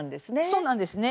そうなんですね。